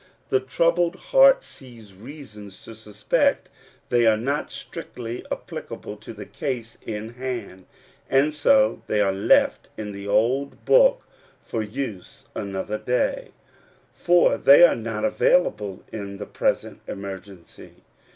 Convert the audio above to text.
The troubled heart sees reasons to suspect that they are not strictly applicable to the case in hand, and so they are left in the old Book for use another day; for they are not available in the present emergency.